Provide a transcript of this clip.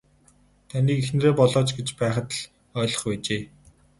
Таныг эхнэрээ болооч гэж байхад л ойлгох байжээ.